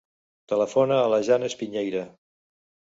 Telefona a la Jana Espiñeira.